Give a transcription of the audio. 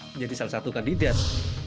menjadi salah satu kandidat